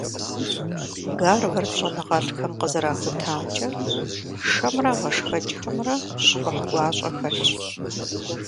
Гарвард щӀэныгъэлӀхэм къызэрахутамкӀэ, шэмрэ гъэшхэкӀхэмрэ щхъухь гуащӀэ хэлъщ.